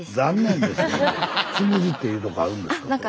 つむじっていうとこあるんですか？